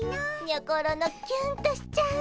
にょころのキュンとしちゃう。